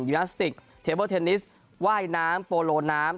นาสติกเทเบิลเทนนิสว่ายน้ำโปโลน้ำ